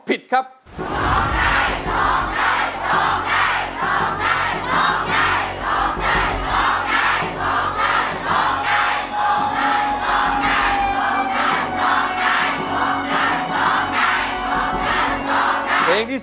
เป็นเพลง